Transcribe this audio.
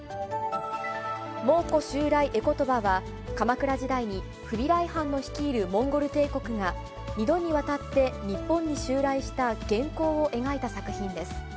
蒙古襲来絵詞は、鎌倉時代にフビライ・ハンの率いるモンゴル帝国が、２度にわたって日本に襲来した元寇を描いた作品です。